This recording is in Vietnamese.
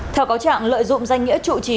theo cáo trạng lợi dụng danh nghĩa trụ trì